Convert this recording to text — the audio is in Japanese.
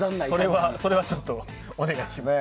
それはちょっと、お願いします。